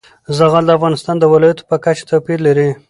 زغال د افغانستان د ولایاتو په کچه توپیر لري.